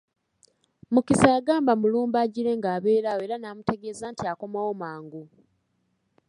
Mukisa yagamba Mulumba agire nga abeera awo era n'amutegeeza nti akomawo mangu.